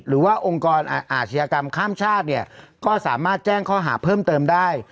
หรือว่าองค์กรอาชญากรรมข้ามชาติเนี่ยก็สามารถแจ้งข้อหาเพิ่มเติมได้